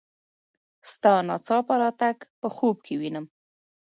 ستا ناڅاپه راتګ په خوب کې وینم.